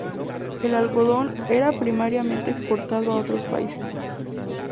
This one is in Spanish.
El algodón era primariamente exportado a otros países.